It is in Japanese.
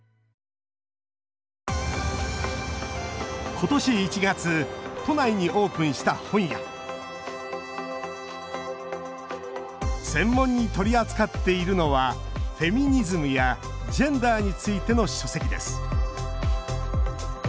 ことし１月都内にオープンした本屋専門に取り扱っているのはフェミニズムやジェンダーについての書籍です